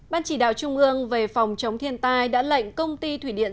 ban chỉ đạo trung ương về phòng chống thiên tai đã lệnh công ty thủy điện